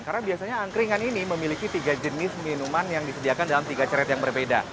karena biasanya angkringan ini memiliki tiga jenis minuman yang disediakan dalam tiga ceret yang berbeda